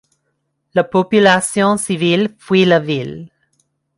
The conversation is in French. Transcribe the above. La population civile fuit la ville.